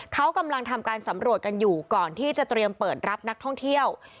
เขากำลังทำการสำรวจกันอยู่ก่อนที่จะเตรียมเปิดรับนักท่องเที่ยว